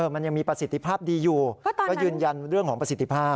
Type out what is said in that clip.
มันยังมีประสิทธิภาพดีอยู่ก็ยืนยันเรื่องของประสิทธิภาพ